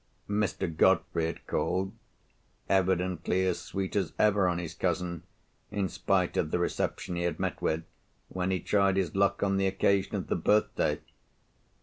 Mr. Godfrey had called; evidently as sweet as ever on his cousin, in spite of the reception he had met with, when he tried his luck on the occasion of the birthday.